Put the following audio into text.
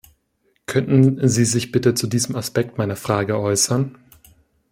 Könnten Sie sich bitte zu diesem Aspekt meiner Frage äußern?